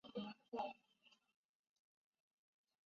他们被视为拉脱维亚独立斗争的精神领袖。